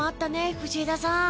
藤枝さん。